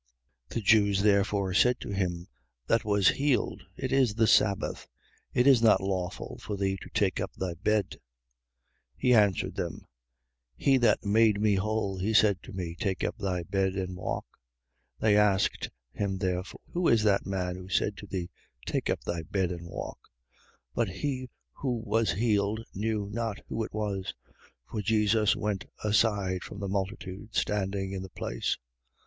5:10. The Jews therefore said to him that was healed: It is the sabbath. It is not lawful for thee to take up thy bed. 5:11. He answered them: He that made me whole, he said to me: Take up thy bed and walk. 5:12. They asked him therefore: Who is that man who said to thee: Take up thy bed and walk? 5:13. But he who was healed knew not who it was: for Jesus went aside from the multitude standing in the place.